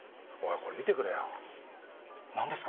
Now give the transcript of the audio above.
これ見てくれよ何ですか？